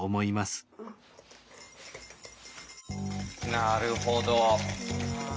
なるほど。